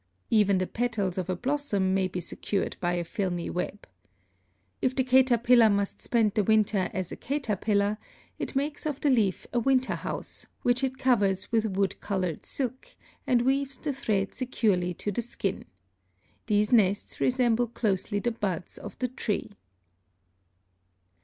Even the petals of a blossom may be secured by a filmy web. If the caterpillar must spend the winter as a caterpillar, it makes of the leaf a winter house, which it covers with wood colored silk, and weaves the thread securely to the skin. These nests resemble closely the buds of the tree.